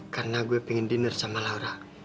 karena gue pengen dinner sama laura